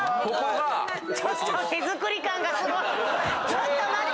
ちょっと待って！